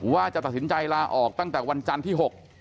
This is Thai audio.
ว่าจะตัดสินใจลาออกตั้งแต่วันจันทร์ที่๖